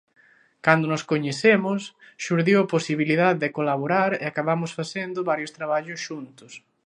Cando nos coñecemos, xurdiu a posibilidade de colaborar, e acabamos facendo varios traballos xuntos.